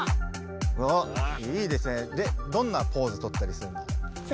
おっいいですねでどんなポーズとったりするの？